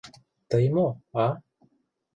— Тый мо, а?